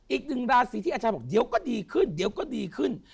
อีกหนึ่งราศิทธิิอาชาบอกเดี๋ยวก็ดีขึ้น